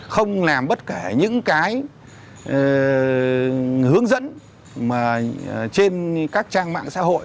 không làm bất kể những cái hướng dẫn mà trên các trang mạng xã hội